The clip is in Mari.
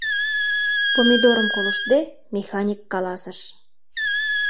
— Помидорым колыштде, Механик каласыш.